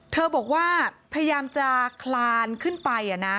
เธอบอกว่าพยายามจะคลานขึ้นไป